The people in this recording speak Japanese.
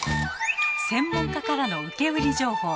専門家からの受け売り情報。